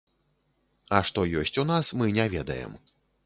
А што ёсць у нас, мы не ведаем.